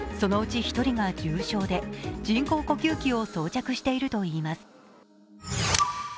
そのうち１人が重症で、人工呼吸器を装着しているといいます。